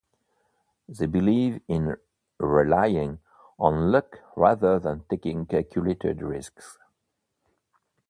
They believe in relying on luck rather than taking calculated risks.